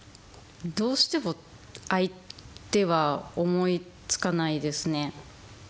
どうしても相手は思いつかないですね。